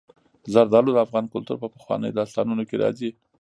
زردالو د افغان کلتور په پخوانیو داستانونو کې راځي.